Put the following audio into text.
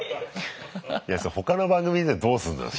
他の番組に出てどうすんのよ